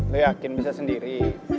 lo yakin bisa sendiri